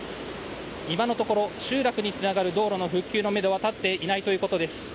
今のところ集落につながる道路の復旧のめどが立っていないということです。